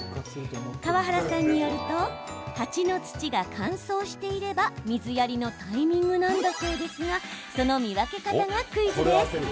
川原さんによると鉢の土が乾燥していれば水やりのタイミングなんだそうですがその見分け方がクイズです。